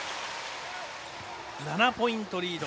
７ポイントリード。